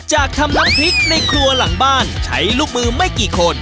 จากทำน้ำพริกในครัวหลังบ้านใช้ลูกมือไม่กี่คน